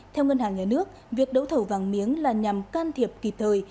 theo ngân hàng nhà nước việc đấu thầu vàng miếng là nhằm can thiệp kịp thời